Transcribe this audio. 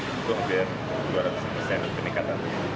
itu hampir dua ratus persen peningkatan